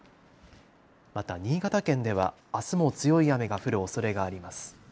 また新潟県では、あすも強い雨が降るおそれがあります。